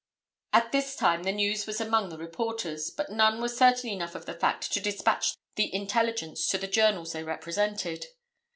At this time the news was among the reporters, but none were certain enough of the fact to dispatch the intelligence to the journals they represented.